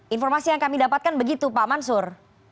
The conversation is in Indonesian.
informasi yang kami dapatkan begitu pak mansur